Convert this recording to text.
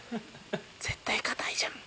絶対硬いじゃん。